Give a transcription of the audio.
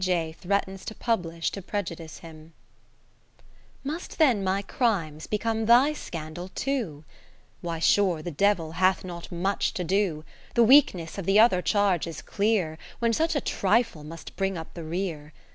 J. threatens to pubHsh to prejudice him Must then my crimes become thy scandal too ? Why, sure the Devil hath not much to do. The weakness of the other charge is clear, When such a trifle must bring lip the rear.